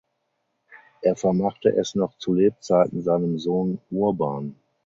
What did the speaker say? Er vermachte es noch zu Lebzeiten seinem Sohn Urban.